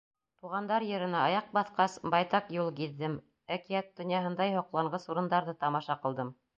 Туғандар еренә аяҡ баҫҡас, байтаҡ юл гиҙҙем, әкиәт донъяһындай һоҡланғыс урындарҙы тамаша ҡылдым.